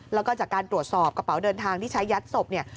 แล้วก็จากการตรวจสอบกระเป๋าเดินทางที่ใช้ยัดศพเนี่ย